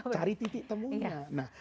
cari titik temunya